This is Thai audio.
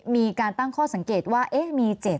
มีการตั้งข้อสังเกตว่ามี๗๗